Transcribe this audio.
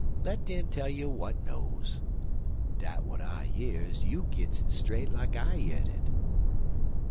Let dem tell you w'at knows. Dat w'at I years you gits it straight like I yeard it."